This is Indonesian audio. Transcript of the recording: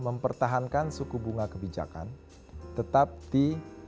mempertahankan suku bunga kebijakan tetap di